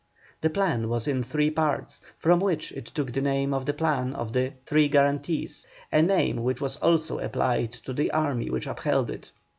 The plan was in three parts, from which it took the name of the plan of the "three guarantees," a name which was also applied to the army which upheld it.